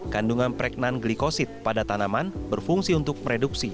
kandungan prek non glikosid pada tanaman berfungsi untuk mereduksi